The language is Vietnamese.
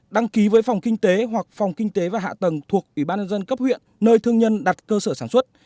đăng ký với phòng kinh tế hoặc phòng kinh tế và hạ tầng thuộc ủy ban nhân dân cấp huyện nơi thương nhân đặt cơ sở sản xuất